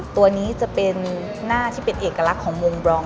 ตัวนี้จะเป็นหน้าที่เป็นเอกลักษณ์ของมุมบรอง